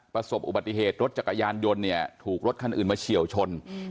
ประสบอุบัติเหตุรถจักรยานยนต์เนี่ยถูกรถคันอื่นมาเฉียวชน